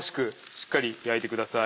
しっかり焼いてください。